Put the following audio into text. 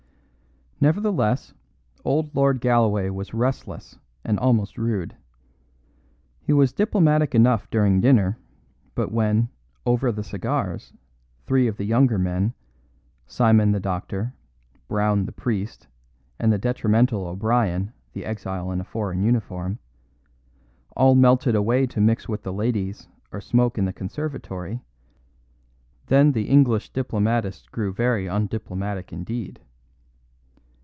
Nevertheless, old Lord Galloway was restless and almost rude. He was diplomatic enough during dinner, but when, over the cigars, three of the younger men Simon the doctor, Brown the priest, and the detrimental O'Brien, the exile in a foreign uniform all melted away to mix with the ladies or smoke in the conservatory, then the English diplomatist grew very undiplomatic indeed.